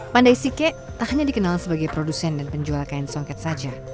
pandai sike tak hanya dikenal sebagai produsen dan penjual kain songket saja